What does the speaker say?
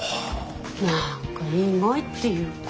何か意外っていうか。